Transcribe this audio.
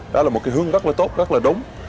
đó là một cái hướng rất là tốt rất là đúng